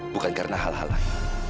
bukan karena hal hal lain